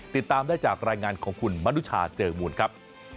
ติดตามได้จากรายงานของคุณมนุชาเจอมูลครับ